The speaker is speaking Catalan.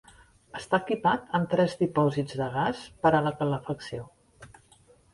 Està equipat amb tres dipòsits de gas per a la calefacció.